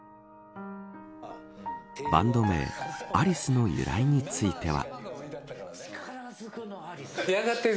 バンド名アリスの由来については。